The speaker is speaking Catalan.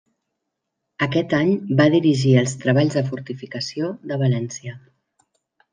Aquest any va dirigir els treballs de fortificació de València.